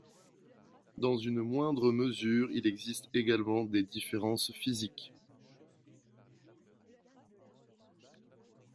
Dans une moindre mesure, il existe également des différences physiques.